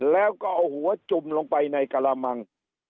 แล้วก็เอาหัวจุ่มลงไปในกระมัง